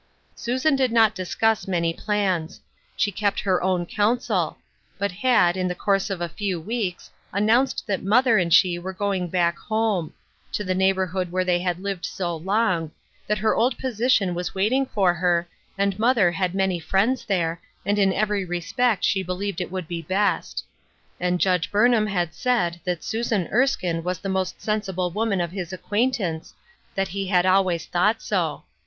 Susan did not dis cuss many plans; she kept her own counsel; but had, in the course of a few weeks, announced that mother and she were going back "home"; to the neighborhood where they had lived so long ; that her old position was waiting for her, and mother had many friends there, and in every re spect she believed it would be best. And Judge Burnham had said that Susan Erskine was the most sensible woman of his acquaintance ; that he had always thought so.